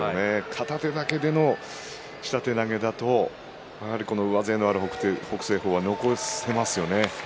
片手だけでの下手投げだとやはり上背のある北青鵬は残せますよね。